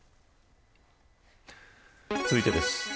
続いてです。